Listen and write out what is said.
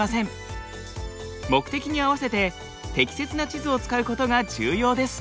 目的に合わせて適切な地図を使うことが重要です。